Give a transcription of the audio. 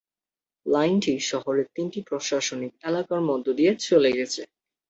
লাইনটি শহরের তিনটি প্রশাসনিক এলাকার মধ্য দিয়ে চলে গেছে।